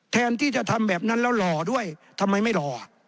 แทนที่จะทำแบบนั้นแล้วหล่อด้วยทำไมไม่หล่อ